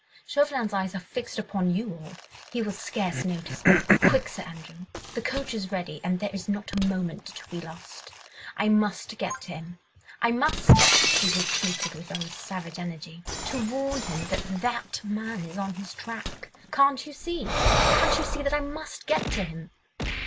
Chauvelin's eyes are fixed upon you all, he will scarce notice me. Quick, Sir Andrew!—the coach is ready, and there is not a moment to be lost. ... I must get to him! I must!" she repeated with almost savage energy, "to warn him that that man is on his track. ... Can't you see—can't you see, that I must get to him